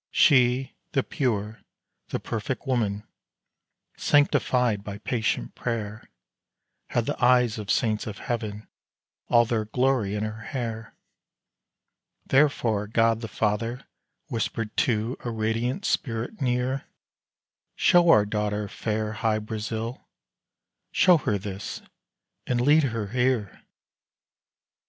She, the pure, the perfect woman, sanctified by patient prayer, Had the eyes of saints of Heaven, all their glory in her hair: Therefore God the Father whispered to a radiant spirit near "Show Our daughter fair Hy Brasil show her this, and lead her here."